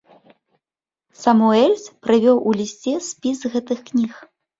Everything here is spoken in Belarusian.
Самуэльс прывёў у лісце спіс гэтых кніг.